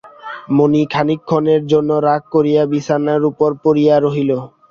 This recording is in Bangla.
মণি খানিকক্ষণের জন্য রাগ করিয়া বিছানায় উপর পড়িয়া রহিল।